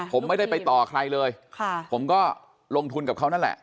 ผมไม่ได้ไปต่อใครเลยผมก็ลงทุนกับเขานั่นแหละ